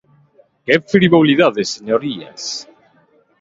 ¡Que frivolidade, señorías!